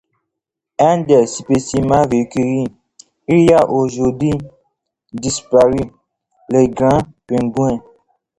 Un des spécimens recueillis il y a aujourd'hui disparu, le Grand Pingouin.